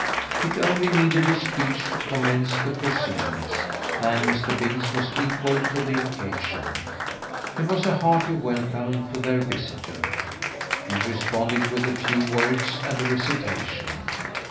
It only needed a speech to commence the proceedings, and Mr. Binks was equal to the occasion. It was a hearty welcome to their visitor. He responded with a few words and a recitation.